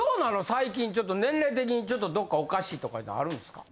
最近ちょっと年齢的にちょっとどっかおかしいとかいうのあるんですか？